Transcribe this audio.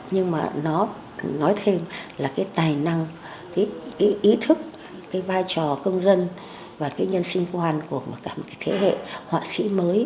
nhưng mà nó nói thêm là cái tài năng cái ý thức cái vai trò công dân và cái nhân sinh quan của cả một cái thế hệ họa sĩ mới